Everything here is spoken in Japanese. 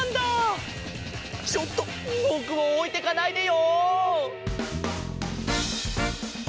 ちょっとぼくをおいてかないでよ！